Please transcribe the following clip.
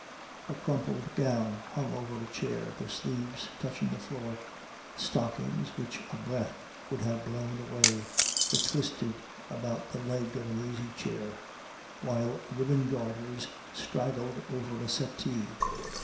A crumpled gown hung over a chair, the sleeves touching the floor; stockings which a breath would have blown away were twisted about the leg of an easy chair; while ribbon garters straggled over a settee.